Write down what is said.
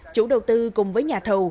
chủ đầu tư cùng với nhà thầu